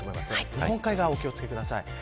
日本海側はお気を付けください。